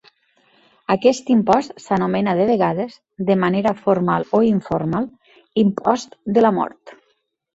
Aquest impost s'anomena de vegades, de manera formal o informal, "impost de la mort".